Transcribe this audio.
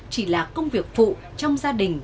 chỉ là công việc phụ trong gia đình